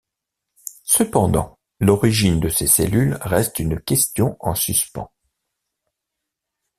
Cependant, l’origine de ces cellules reste une question en suspens.